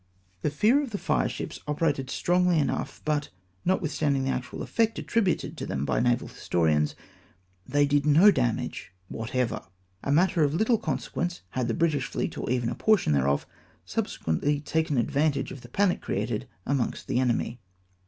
The fear of the fireships operated strongly enough, but, notwithstanding the actual effect attributed to them by naval historians, they did no damage whatever. A matter of httle consequence, had the British jfleet, or even a portion thereof, subsequently taken advantage of the panic created amongst the enemy.